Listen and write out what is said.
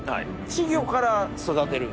稚魚から育てる？